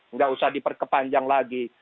nggak usah diperkepanjang lagi